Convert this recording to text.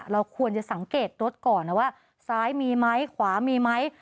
เราควรจะสังเกตรถก่อนนะว่าซ้ายมีไหมขวามีไหม